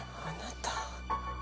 あなた。